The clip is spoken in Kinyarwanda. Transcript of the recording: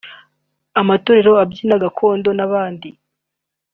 amatorero abyina gakondo n’abandi